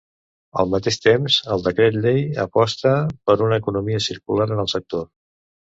Al mateix temps, el decret llei aposta per una economia circular en el sector.